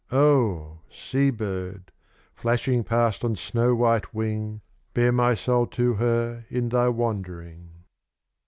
Oh! sea bird, flashing past on snow white wing, Bear my soul to her in thy wandering.